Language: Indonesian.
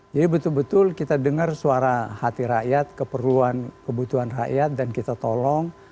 jadi betul betul kita dengar suara hati rakyat keperluan kebutuhan rakyat dan kita tolong